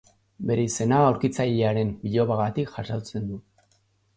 Bere izena aurkitzailearen bilobagatik jasotzen du.